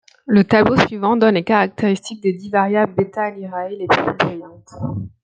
Le tableau suivant donne les caractéristiques des dix variables β Lyrae les plus brillantes.